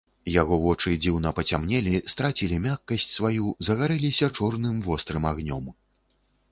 Яго вочы дзіўна пацямнелі, страцілі мяккасць сваю, загарэліся чорным вострым агнём.